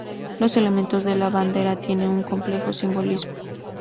Los elementos de la bandera tienen un complejo simbolismo.